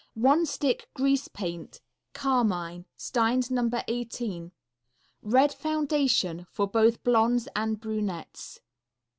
One Stick Grease Paint, Carmine. Stein's No. 18. Red foundation, for both blondes and brunettes.